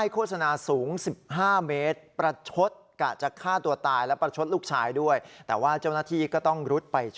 กินให้มันจะใช้ลูกทางเดิมลูกทางเดิมลูกทางเดิม